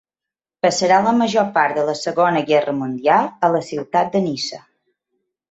Passarà la major part de la Segona Guerra mundial a la ciutat de Niça.